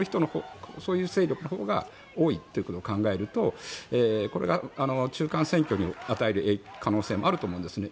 そういう勢力のほうが多いということを考えるとこれが中間選挙に影響を与える可能性もあると思うんですね。